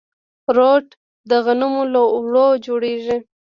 روټ د غنمو له اوړو جوړیږي.